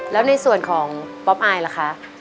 แล้วในส่วนของป๊อปอายล่ะคะ